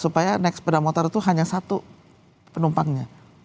supaya naik sepeda motor itu hanya satu penumpangnya